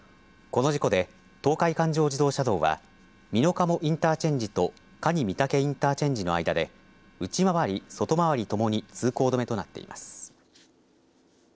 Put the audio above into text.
この事故で、東海環状自動車道は美濃加茂インターチェンジと可児御嵩インターチェンジの間で内回り、外回りともに通行止めとなっています。